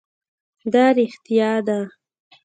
دا رښتیا ده.